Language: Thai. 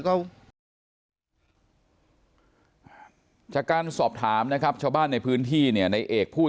ก็จากการสอบถามนะครับชาวบ้านในพื้นที่เนี่ยในเอกพูด